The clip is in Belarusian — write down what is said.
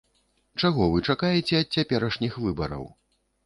Чаго вы чакаеце ад цяперашніх выбараў?